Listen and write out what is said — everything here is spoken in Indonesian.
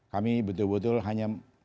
kami betul betul hanya